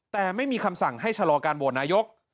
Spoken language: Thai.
แต่ไม่มีคำสั่งให้ชะลอการโหวตนายก